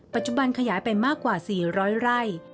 ปัจจุบันขยายไปมากกว่า๔๐๐ไร่